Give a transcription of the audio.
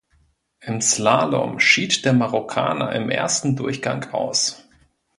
Im Slalom schied der Marokkaner im ersten Durchgang aus.